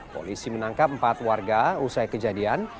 polisi menangkap empat warga usai kejadian